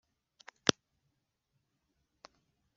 kwatumye haba ubwisanzure mu bashakanye,